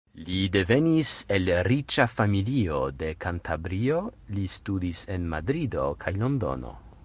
Li devenis el riĉa familio de Kantabrio; li studis en Madrido kaj Londono.